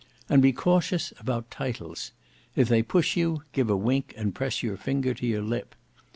And be cautious about titles. If they push you, give a wink and press your finger to your lip.